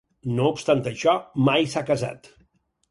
No obstant això, mai s'ha casat.